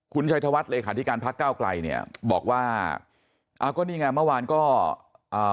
คุณชัยธวัฒน์เลขาธิการพักเก้าไกลเนี่ยบอกว่าอ่าก็นี่ไงเมื่อวานก็อ่า